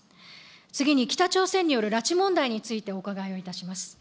次に北朝鮮による拉致問題についてお伺いをいたします。